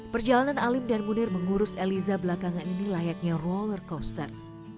perjalanan alim dan munir mengurus eliza belakangan ini layaknya roller coaster